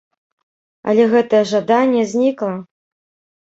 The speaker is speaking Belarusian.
Але гэтае жаданне знікла.